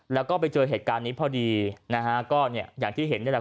แล้วก็ไปเจอเหตุการณ์นี้พอดีนะฮะก็เนี่ยอย่างที่เห็นนี่แหละ